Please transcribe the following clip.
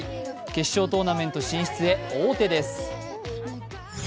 決勝トーナメント進出へ王手です。